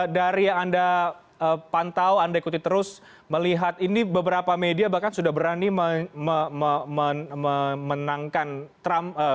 dari yang anda pantau anda ikuti terus melihat ini beberapa media bahkan sudah berani memenangkan trump